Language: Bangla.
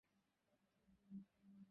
আসলে, স্যার।